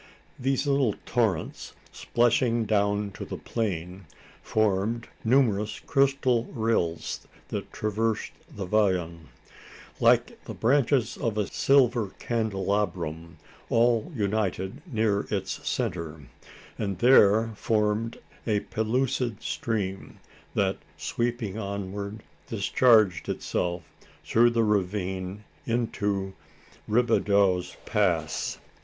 These little torrents, plashing down to the plain, formed numerous crystal rills that traversed the vallon. Like the branches of a silver candelabrum, all united near its centre, and there formed a pellucid stream, that, sweeping onward, discharged itself through the ravine into Robideau's Pass.